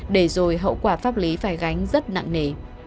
để rồi hậu quả pháp lý phải gánh rất nặng nề